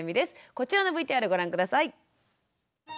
こちらのＶＴＲをご覧下さい。